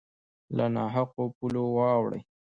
له نا حقو پولو واوړي